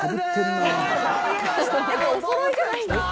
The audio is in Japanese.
お揃いじゃないんですか？